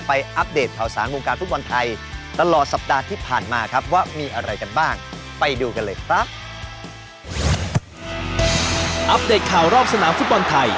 ไปอัปเดตข่าวสารงงการฟุตบอลไทย